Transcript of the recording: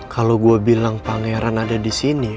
kalo gue bilang pangeran ada disini